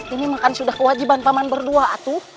ini makanya sudah kewajiban paman berdua atu